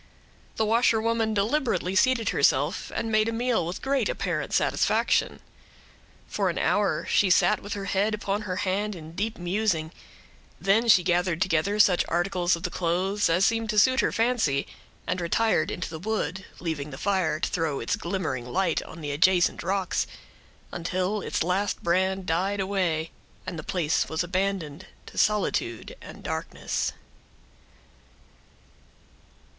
The washerwoman deliberately seated herself, and made a meal with great apparent satisfaction. For an hour, she sat with her head upon her hand, in deep musing; then she gathered together such articles of the clothes, as seemed to suit her fancy, and retired into the wood, leaving the fire to throw its glimmering light on the adjacent rocks, until its last brand died away, and the place was abandoned to solitude and darkness.